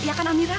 iya kan amirah